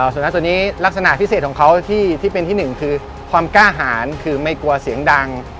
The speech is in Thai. สุนัขตัวนี้ลักษณะพิเศษของเขาที่เป็นที่หนึ่งคือความกล้าหารคือไม่กลัวเสียงดัง